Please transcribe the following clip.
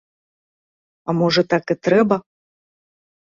А можа, так і трэба.